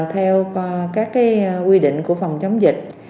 theo các cái quy định của phòng chống dịch